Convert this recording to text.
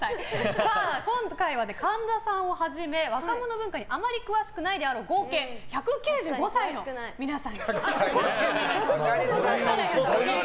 今回は神田さんをはじめ若者文化にあまり詳しくないであろう合計１９５歳の皆さんに。